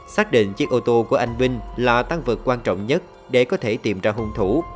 xác định chiếc ô tô của anh vinh là tăng vật quan trọng nhất để có thể tìm ra hung thủ